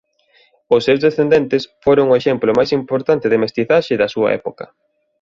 Os seus descendentes foron o exemplo máis importante de mestizaxe da súa época.